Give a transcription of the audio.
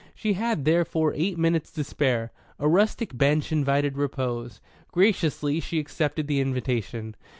She had, therefore, eight minutes to spare. A rustic bench invited repose. Graciously she accepted the invitation.